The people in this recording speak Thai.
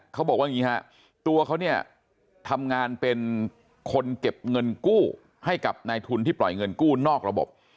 เขาบอกว่าอย่างนี้ฮะตัวเขาเนี่ยทำงานเป็นคนเก็บเงินกู้ให้กับนายทุนที่ปล่อยเงินกู้นอกระบบ